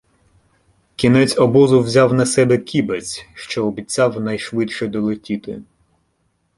Кінець обозу взяв на себе Кібець, що обіцяв найшвидше долетіти.